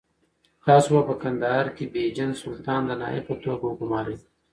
تاسو په کندهار کې بېجن سلطان د نایب په توګه وګمارئ.